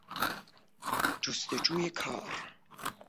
جستجوی کار